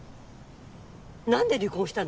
なんで離婚したの？